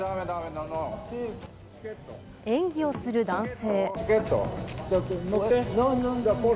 演技をする男性。